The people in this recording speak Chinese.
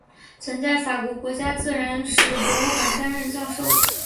曾在法国国家自然史博物馆担任教授。